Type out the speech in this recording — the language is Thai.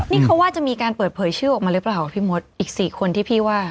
นี่เขาว่าจะมีการเปิดเผยชื่อออกมาหรือเปล่าพี่มดอีกสี่คนที่พี่ว่า